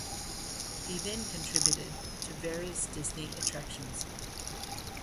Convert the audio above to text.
He then contributed to various Disney attractions.